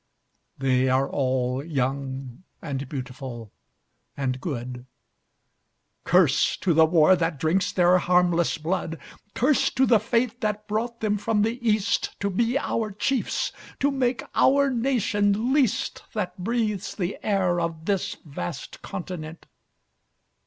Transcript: They all are young and beautiful and good; Curse to the war that drinks their harmless blood. Curse to the fate that brought them from the East To be our chiefs to make our nation least That breathes the air of this vast continent.